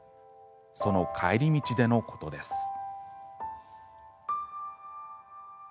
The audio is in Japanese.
その帰り道でのことです。